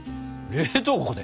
冷凍庫で。